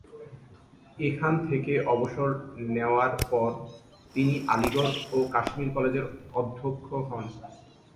এখান থেকে অবসর নেওয়ার পর তিনি আলিগড় ও কাশ্মীর কলেজের অধ্যক্ষ হন।